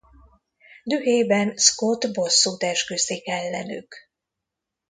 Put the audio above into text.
Dühében Scott bosszút esküszik ellenük.